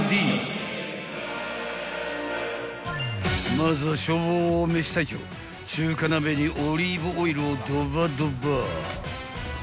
［まずは消防めし隊長中華鍋にオリーブオイルをドバドバ］